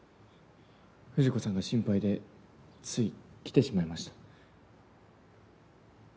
藤子さんが心配でつい来てしまいました。